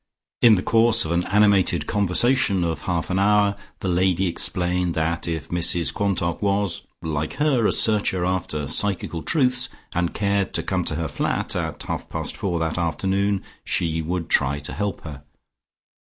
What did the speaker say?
In the course of an animated conversation of half an hour, the lady explained that if Mrs Quantock was, like her, a searcher after psychical truths, and cared to come to her flat at half past four that afternoon, she would try to help her.